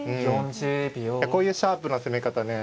こういうシャープな攻め方ね